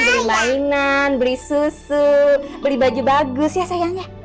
beli mainan beli susu beli baju bagus ya sayangnya